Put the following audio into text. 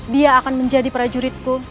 dia akan menjadi prajuritku